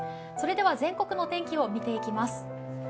それでは全国の天気を見ていきます。